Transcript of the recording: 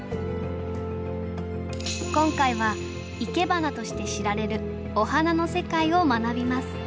今回はいけばなとして知られるお花の世界を学びます。